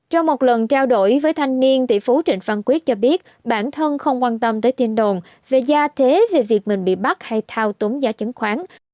trong cuộc chiến cổ phiếu flc cho biết bản thân không quan tâm tới tin đồn về gia thế về việc mình bị bắt hay thao túng giá chứng khoán